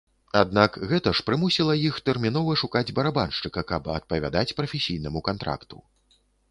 Аднак гэта ж прымусіла іх тэрмінова шукаць барабаншчыка, каб адпавядаць прафесійнаму кантракту.